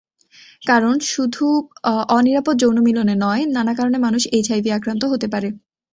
কারণ, শুধু অনিরাপদ যৌনমিলনে নয়, নানা কারণে মানুষ এইচআইভি আক্রান্ত হতে পারে।